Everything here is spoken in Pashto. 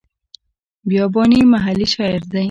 بیاباني محلي شاعر دی.